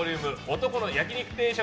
男の焼き肉定食